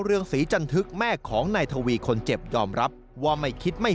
เรืองศรีจันทึกแม่ของนายทวีคนเจ็บยอมรับว่าไม่คิดไม่